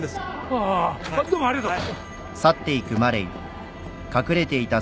ああどうもありがとう。